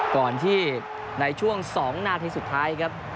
ก่อนที่ในช่วง๒นาทีสุดท้ายครับ